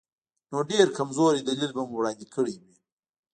نو ډېر کمزوری دلیل به مو وړاندې کړی وي.